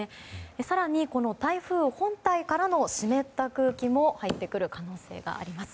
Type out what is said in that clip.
更に台風本体からの湿った空気も入ってくる可能性があります。